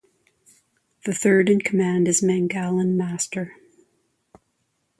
The third in command is Mangalan Master.